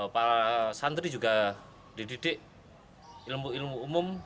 para santri juga dididik ilmu ilmu umum